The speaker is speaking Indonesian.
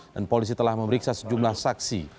dan polisi telah memeriksa sejumlah saksi